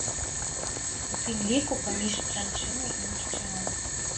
У тым ліку паміж жанчынай і мужчынам.